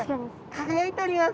輝いております。